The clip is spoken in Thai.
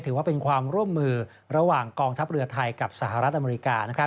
ถือว่าเป็นความร่วมมือระหว่างกองทัพเรือไทยกับสหรัฐอเมริกา